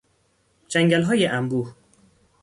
جنگلهای انبوه